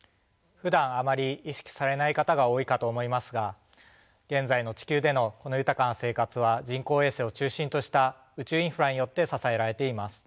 ふだんあまり意識されない方が多いかと思いますが現在の地球でのこの豊かな生活は人工衛星を中心とした宇宙インフラによって支えられています。